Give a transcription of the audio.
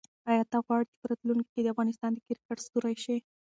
آیا ته غواړې چې په راتلونکي کې د افغانستان د کرکټ ستوری شې؟